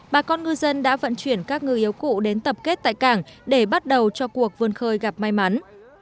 bà con ngư dân đã vận chuyển các ngư yếu cụ đến tập kết tại cảng để bắt đầu cho cuộc vươn khơi gặp may mắn